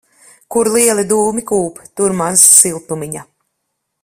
Kur lieli dūmi kūp, tur maz siltumiņa.